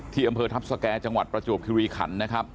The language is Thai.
ที่อำเภอทัพสแกร์จังหวัดประจวบครีวีคันนะครับ